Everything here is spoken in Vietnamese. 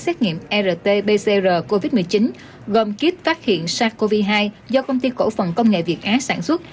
xét nghiệm rt pcr covid một mươi chín gồm kiếp phát hiện sars cov hai do công ty cổ phần công nghệ việt á sản xuất